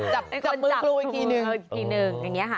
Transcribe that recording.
จับมือครูอีกทีหนึ่ง